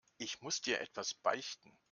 Ich muss dir etwas beichten.